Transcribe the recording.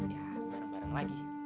ya bareng bareng lagi